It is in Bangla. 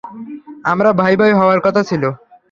আমরা ভাই ভাই হওয়ার কথা ছিল।